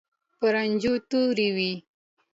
په رانجو تورې وې.